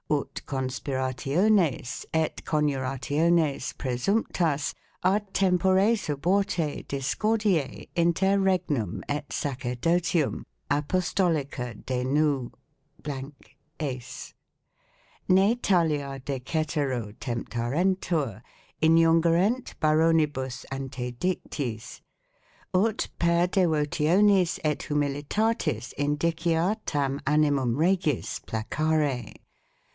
ut conspirationes et coniurationes 3 presumptas. a tempore suborte dis cordie inter Regnum et sacerdotium, apostolica denu ...... es ; ne talia decetero temptarentur, iniungerent ba ronibus antedictis ; ut per devotionis et humilitatis in d[i]cia tarn animum Regis placare.